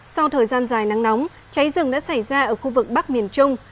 sau thời gian dài nắng nóng cháy rừng đã xảy ra ở khu vực bắc miền trung